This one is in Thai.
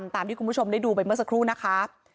คุณผู้ชมได้ดูไปเมื่อสักครู่นะคะ